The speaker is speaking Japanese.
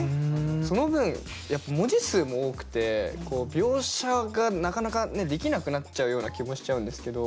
その分やっぱ文字数も多くて描写がなかなかねできなくなっちゃうような気もしちゃうんですけど。